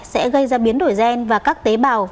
sẽ gây ra biến đổi gen và các tế bào